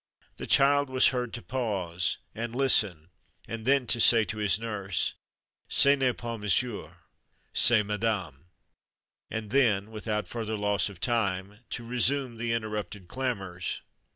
The child was heard to pause and listen and then to say to his nurse, "Ce n'est pas Monsieur; c'est Madame," and then, without further loss of time, to resume the interrupted clamours.